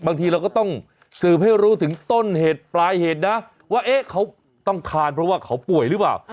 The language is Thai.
บางทีเราก็ต้องสืบให้รู้ถึงต้นเหตุปลายเหตุนะว่าเขาต้องทานเพราะว่าเขาป่วยหรือเปล่า